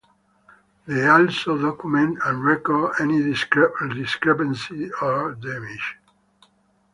They also document and record any discrepancies or damages.